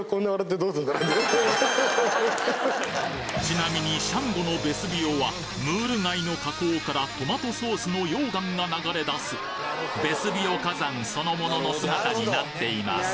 ちなみにシャンゴのベスビオはムール貝の火口からトマトソースの溶岩が流れ出すヴェスビオ火山そのものの姿になっています